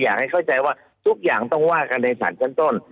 อยากให้เข้าใจว่าทุกอย่างต้องว่ากันในศาลชั้นต้น